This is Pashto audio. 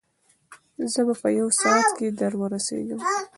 زه به په یو ساعت کې در ورسېږم.